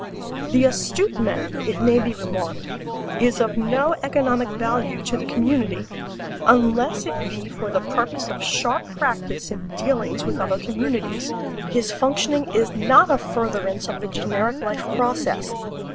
The astute man, it may be remarked, is of no economic value to the community unless it be for the purpose of sharp practice in dealings with other communities. His functioning is not a furtherance of the generic life process.